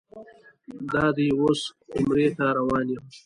دادی اوس عمرې ته روان یم.